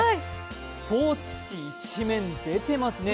スポーツ紙、一面出ていますね。